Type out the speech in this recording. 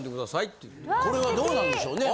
これはどうなんでしょうね？